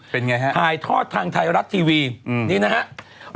เป็นไงฮะถ่ายทอดทางไทยรัฐทีวีนี่นะครับ